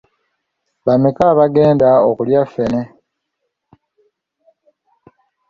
Bameka abagenda okulya ffene?